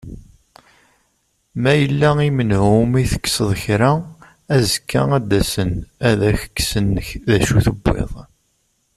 Ma yella i menhu umi tekseḍ kra, azekka ad d-asen ad ak-ksen d acu tewwiḍ.